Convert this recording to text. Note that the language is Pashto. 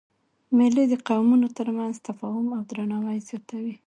مېلې د قومونو تر منځ تفاهم او درناوی زیاتوي.